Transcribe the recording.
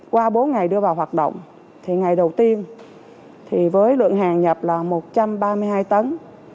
qua bốn ngày đưa vào hoạt động thì ngày đầu tiên với lượng hàng nhập là một trăm ba mươi hai tấn